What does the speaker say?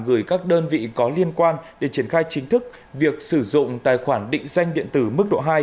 gửi các đơn vị có liên quan để triển khai chính thức việc sử dụng tài khoản định danh điện tử mức độ hai